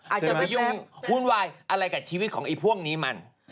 อาจจะไปยุ่งวุ่นวายอะไรกับชีวิตของไอ้พวกนี้มัน